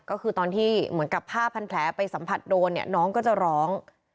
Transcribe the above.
ก็คือตอนที่เหมือนกับผ้าพันแผลไปสัมผัสโดนเนี่ยน้องก็จะร้อง